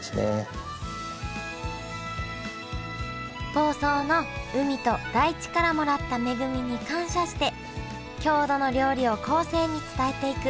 房総の海と大地からもらった恵みに感謝して郷土の料理を後世に伝えていく。